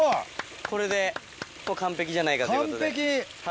これで完璧じゃないかという完璧。